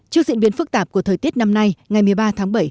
trước diễn biến phức tạp của thời tiết năm nay ngày một mươi ba tháng bảy